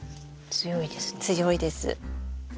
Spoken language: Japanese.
強いです。